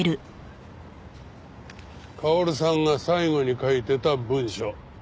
薫さんが最後に書いてた文書。